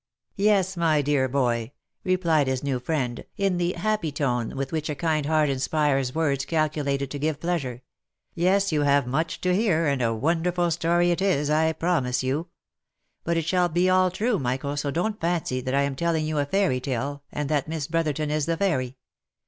" Yes, my dear boy," replied his new friend, in the happy tone with, which a kind heart inspires words calculated to give pleasure. " Yes, you have much to hear, and a wonderful story it is, I promise you. But it shall be all true Michael, so don't fancy that I am telling you a fairy tale, and that Miss Brotherton is the fairy.